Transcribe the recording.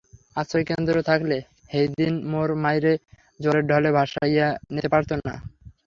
আশ্রয়কেন্দ্র থাকলে হেইদিন মোর মায়রে জোয়ারের ঢলে ভাসাইয়্যা নেতে পারত না।